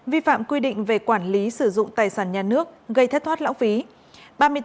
vi phạm quy định về quản lý sử dụng tài sản nhà nước gây thất thoát lãng phí